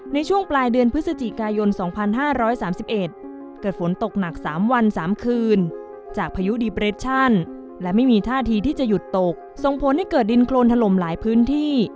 ในช่วงปลายเดือนพฤศจิกายน๒๕๓๑เกิดฝนตกหนัก๓วัน๓คืนจากพายุดีเบรชชั่นและไม่มีท่าทีที่จะหยุดตกส่งผลให้เกิดดินโครนถล่มหลายพื้นที่